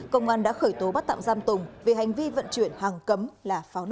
công an đã khởi tố bắt tạm giam tùng vì hành vi vận chuyển hàng cấm là pháo nổ